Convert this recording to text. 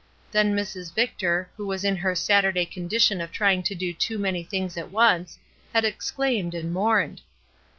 Then Mrs. Victor, who was in her Saturday condition of trying to do too many things at once, had exclaimed and mourned.